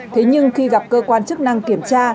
thế nhưng khi gặp cơ quan chức năng kiểm tra